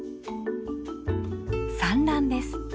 産卵です。